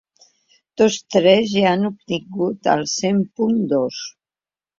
Tots tres ja han obtingut el cent punt dos.